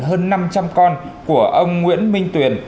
hơn năm trăm linh con của ông nguyễn minh tuyền